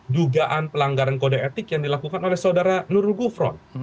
dugaan pelanggaran kode etik yang dilakukan oleh saudara nurul gufron